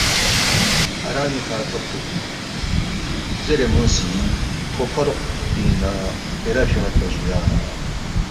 آرامی کھہ تھوبتُوک؟ زیرے مو سی فو فوروق پِنگ نہ خپیرا فیُون٘یدپا جُویا